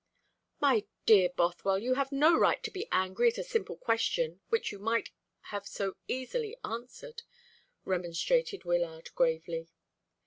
"My dear Bothwell, you have no right to be angry at a simple question which you might have so easily answered," remonstrated Wyllard gravely.